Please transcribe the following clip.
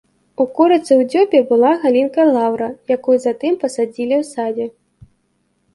У курыцы ў дзюбе была галінка лаўра, якую затым пасадзілі ў садзе.